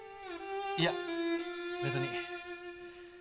いや別に。